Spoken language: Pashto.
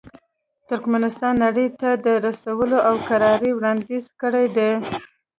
ترکمنستان نړۍ ته د سولې او کرارۍ وړاندیز کړی دی.